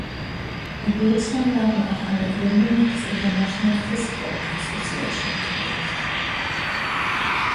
Die Bozner waren auch an der Gründung des International Fistball Association beteiligt.